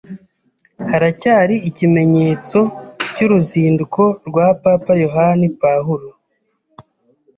haracyari ikimenyetso cy’uruzinduko rwa Papa Yohani Pawulo